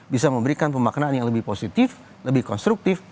bisa memberikan pemaknaan yang lebih positif lebih konstruktif